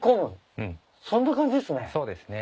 そんな感じっすね。